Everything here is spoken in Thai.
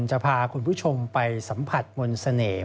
จะพาคุณผู้ชมไปสัมผัสมนต์เสน่ห์